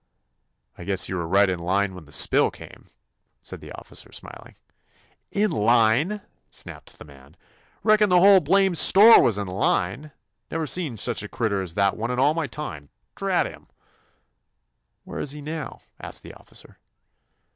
"Guess you were right in line when the spill came," said the officer, smil ing. "In line!" snapped the man. "Reckon the whole blamed store was in line. Never see such a critter as that one in all my time, drat him!" 157 THE ADVENTURES OF ''Where is he now?" asked the offi cer.